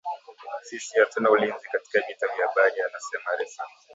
Sisi hatuna ulinzi katika vita vya habari anasema Ressa